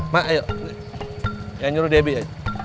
mak ayo yang nyuruh debbie